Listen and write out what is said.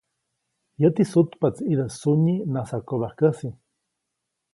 Yäti sutpaʼtsi ʼidä sunyi najsakobajkäsi.